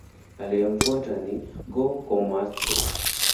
Aliyemfuata ni Go-Komatsu.